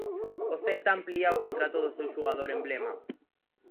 O Celta amplía o contrato do seu xogador emblema.